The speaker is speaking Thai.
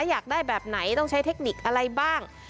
อยากได้แบบไหนต้องใช้เทคนิคอะไรบ้าง